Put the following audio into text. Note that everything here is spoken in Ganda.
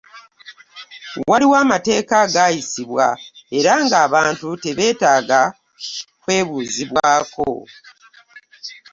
Waliwo amateeka agayisibwa era nga abantu tebeetaaga kwebuzibwako.